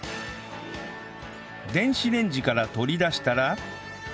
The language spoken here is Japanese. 電子レンジから取り出したら